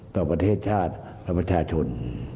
ต่อประเทศชาติต่อประชาชน